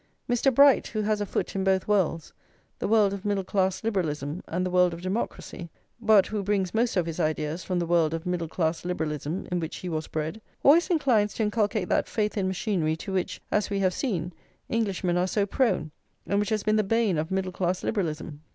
Mr. Bright, who has a foot in both worlds, the world of middle class liberalism and the world of democracy, but who brings most of his ideas from the world of middle class liberalism in which he was bred, always inclines to inculcate that faith in machinery to which, as we have seen, Englishmen are so prone, and which has been the bane of middle class liberalism.